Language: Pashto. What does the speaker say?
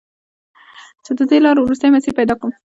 چې د دې لارو، وروستی مسیر پیدا کړم